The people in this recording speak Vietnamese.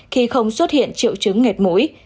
khi không xuất hiện triệu chứng nghẹt mũi